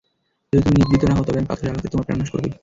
যদি তুমি নিবৃত্ত না হও তবে আমি পাথরের আঘাতে তোমার প্রাণনাশ করবই।